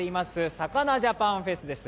魚ジャパンフェスです。